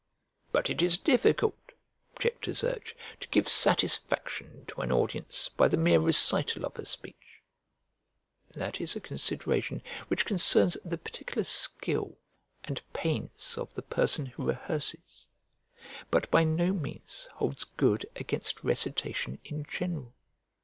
"But it is difficult," the objectors urge, "to give satisfaction to an audience by the mere recital of a speech;" that is a consideration which concerns the particular skill and pains of the person who rehearses, but by no means holds good against recitation in general.